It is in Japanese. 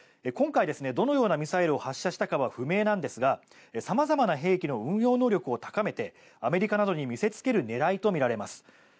今回、どのようなミサイルを発射したかは不明なんですが様々な兵器の運用能力を高めてアメリカなどに見せつける狙いとみられます。